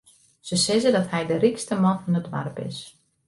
Se sizze dat hy de rykste man fan it doarp is.